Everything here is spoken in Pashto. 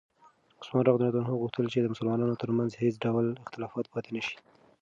عثمان رض غوښتل چې د مسلمانانو ترمنځ هېڅ ډول اختلاف پاتې نه شي.